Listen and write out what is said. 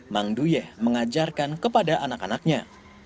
mang duyeh mengajarkan kepada anak anaknya